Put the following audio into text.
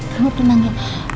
kamu harus tenangin